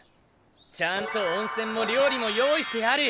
ちゃんと温泉も料理も用意してある。